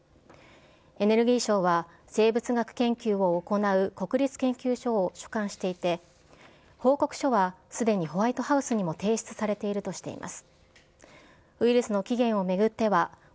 エネルギー省は生物学研究を行う国立研究所を所管していて、報告書はすでにホワイトハウスにも提出されているとしています。